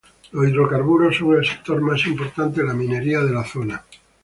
Los hidrocarburos son el sector más importante en la minería de la zona.